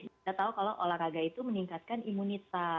kita tahu kalau olahraga itu meningkatkan imunitas